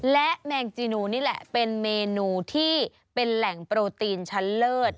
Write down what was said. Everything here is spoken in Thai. และแมงจีนูนี่แหละเป็นเมนูที่เป็นแหล่งโปรตีนชั้นเลิศ